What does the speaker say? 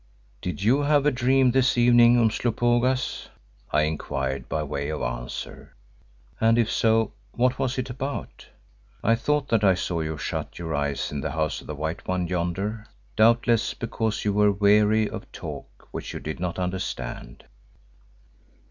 "Did you have a dream this evening, Umslopogaas?" I inquired by way of answer, "and if so, what was it about? I thought that I saw you shut your eyes in the House of the White One yonder, doubtless because you were weary of talk which you did not understand."